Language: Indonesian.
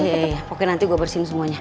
iya iya iya pokoknya nanti gue bersihin semuanya